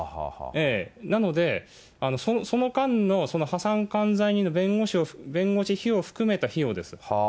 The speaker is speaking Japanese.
なので、その間の破産管財人の弁護士費用を含めた費用です。